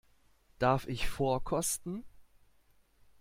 Darf ich vorkosten?